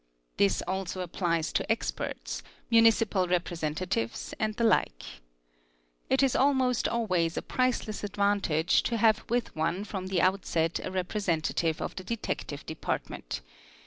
'his also applies to experts, municipal representatives, and the like. SF SIU MM RRM, UI API ; is almost always a priceless advantage to have with one from the itset a representative of the Detective Department.